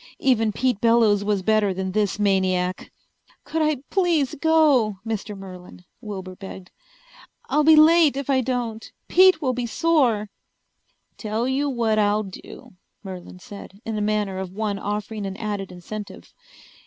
Even Pete Bellows was better than this maniac! "Could I please go, Mr. Merlin?" Wilbur begged. "I'll be late if I don't. Pete will be sore." "Tell you what I'll do," Merlin said, in a manner of one offering an added incentive.